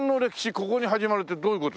ここに始まる」ってどういう事ですか？